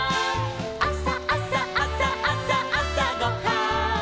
「あさあさあさあさあさごはん」